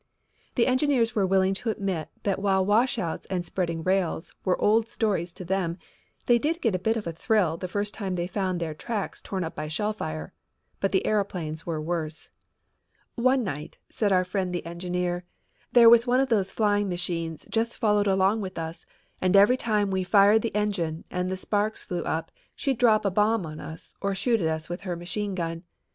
The engineers were willing to admit that while washouts and spreading rails were old stories to them, they did get a bit of a thrill the first time they found their tracks torn up by shellfire. But the aeroplanes were worse. "One night," said our friend the engineer, "there was one of those flying machines just followed along with us and every time we fired the engine and the sparks flew up she'd drop a bomb on us or shoot at us with her machine gun.